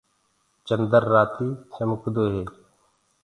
چندر رآتي چمڪدو هي۔